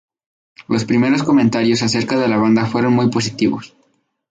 Los primeros comentarios acerca de la banda fueron muy positivos.